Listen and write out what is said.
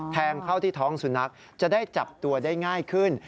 แทงเข้าที่ท้องสุนัขจะได้จับตัวได้ง่ายขึ้น